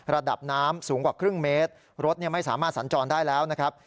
ระดับน้ำสูงกว่าครึ่งเมตรรถไม่สามารถสัญจรได้แล้วนะครับ